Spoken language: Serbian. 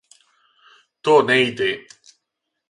То не иде.